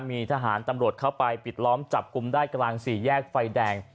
มีทหารตำรวจเข้าไปปิดล้อมจับกลุ่มได้กลางสี่แยกไฟแดง